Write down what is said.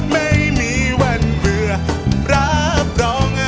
ไม่มีวันเบื่อรับรอง